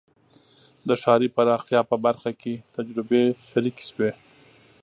د ښاري پراختیا په برخه کې تجربې شریکې شوې.